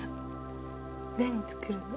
何作るの？